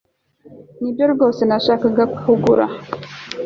Nibyo rwose nashakaga kugura